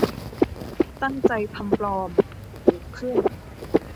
ตั้งใจทำปลอม กุขึ้น